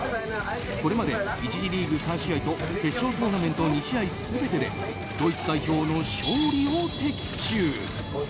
これまで１次リーグ３試合と決勝トーナメント２試合全てでドイツ代表の勝利を的中。